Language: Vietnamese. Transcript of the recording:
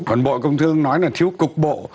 còn bộ công thương nói là thiếu cục bộ